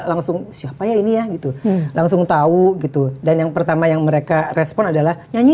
langsung siapa ya ini ya gitu langsung tahu gitu dan yang pertama yang mereka respon adalah nyanyi